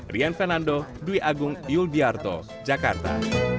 rian fernando dwi agung yuldiarto jakarta